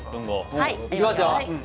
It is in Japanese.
いきますよ。